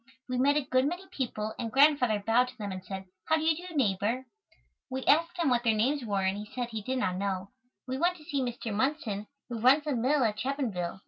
We met a good many people and Grandfather bowed to them and said, "How do you do, neighbor?" We asked him what their names were and he said he did not know. We went to see Mr. Munson, who runs the mill at Chapinville.